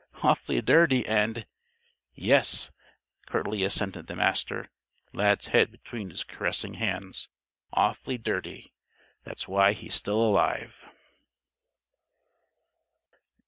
"Awfully dirty and " "Yes," curtly assented the Master, Lad's head between his caressing hands. "'Awfully dirty.' That's why he's still alive."